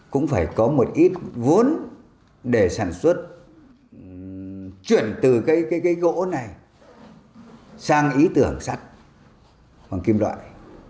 cũng phải có một ít vốn để sản xuất chuyển từ cái gỗ này sang ý tưởng sắt bằng kim loại